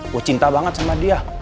gue cinta banget sama dia